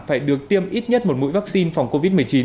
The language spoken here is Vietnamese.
phải được tiêm ít nhất một mũi vaccine phòng covid một mươi chín